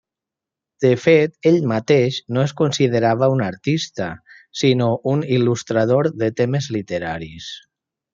De fet, ell mateix no es considerava un artista, sinó un il·lustrador de temes literaris.